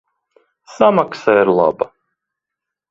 Samaksa ir laba.